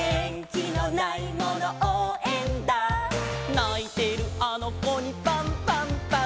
「ないてるあのこにパンパンパン！！」